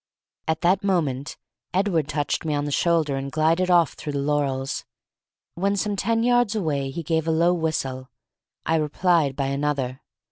At that moment Edward touched me on the shoulder and glided off through the laurels. When some ten yards away he gave a low whistle. I replied by another.